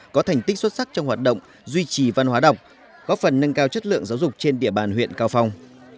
có thành tích xuất sắc trong hoạt động duy trì văn hóa đọc góp phần nâng cao chất lượng giáo dục trên địa bàn huyện cao phong